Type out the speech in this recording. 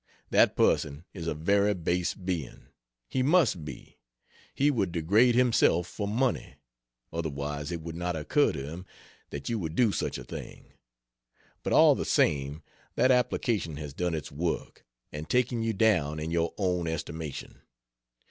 That person is a very base being; he must be; he would degrade himself for money, otherwise it would not occur to him that you would do such a thing. But all the same, that application has done its work, and taken you down in your own estimation.